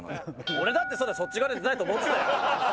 俺だってそうだよそっち側で出たいと思ってたよ。